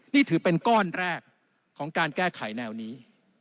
นี่ถือเป็นก้อนแรกของการแก้ไขแนวนี้